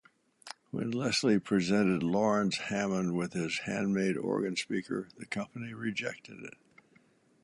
When Leslie presented Laurens Hammond with his handmade organ speaker, the company rejected it.